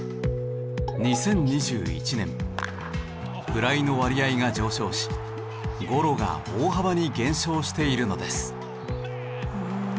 ２０２１年フライの割合が上昇しゴロが大幅に減少しているのです。